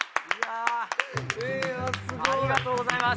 ありがとうございます。